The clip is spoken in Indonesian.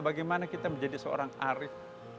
bagaimana kita menjadi seorang arif